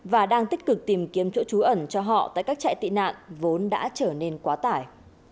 và đang tích cực tìm kiếm chỗ trú ẩn cho họ tại các trại tị nạn vốn đã trở nên quá tải